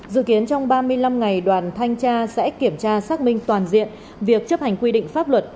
dự kiến trong ba mươi năm ngày đoàn thanh tra sẽ kiểm tra xác minh toàn diện việc chấp hành quy định pháp luật